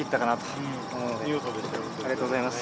ありがとうございます。